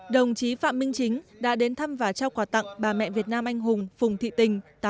đồng chí phạm minh chính đã đến thăm và trao quà tặng bà mẹ việt nam anh hùng phùng thị tình